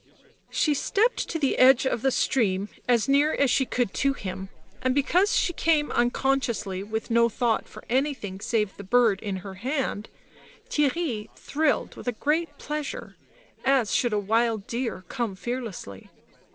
She stepped to the edge of the stream as near as she could to him, and because she came unconsciously, with no thought for anything save the bird in her hand, Theirry thrilled with a great pleasure, as should a wild deer come fearlessly.